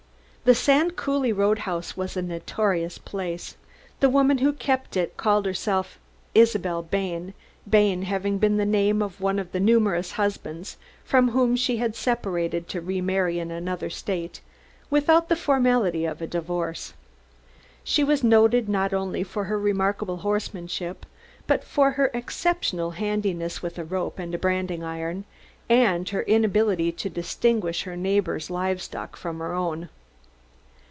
The Sand Coulee Roadhouse was a notorious place. The woman who kept it called herself Isabel Bain Bain having been the name of one of the numerous husbands from whom she had separated to remarry in another state, without the formality of a divorce. She was noted not only for her remarkable horsemanship, but for her exceptional handiness with a rope and branding iron, and her inability to distinguish her neighbors' livestock from her own.